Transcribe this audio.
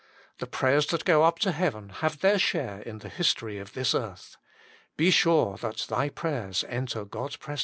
The prayers that go up to heaven have their share in the history of this earth. Be sure that thy prayers enter God s presence.